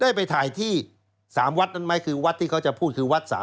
ได้ไปถ่ายที่๓วัดนั้นไหมคือวัดที่เขาจะพูดคือวัดสาม